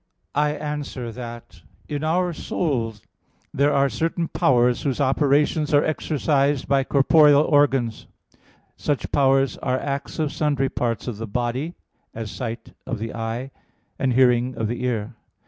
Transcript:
I answer that, In our soul there are certain powers whose operations are exercised by corporeal organs; such powers are acts of sundry parts of the body, as sight of the eye, and hearing of the ear.